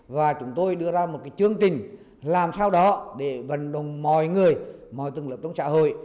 và chúng tôi đưa ra một chương trình làm sao đó để vận động mọi người mọi tầng lớp trong xã hội